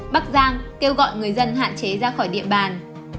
bắc giang kêu gọi người dân hạn chế ra khỏi địa bàn